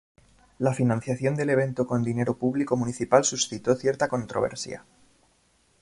La financiación del evento con dinero público municipal suscitó cierta controversia.